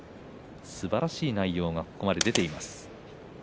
すばらしい内容がここまで出ています。